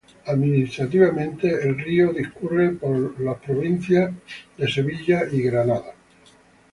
Administrativamente, el río discurre por los estados de Nebraska y Kansas.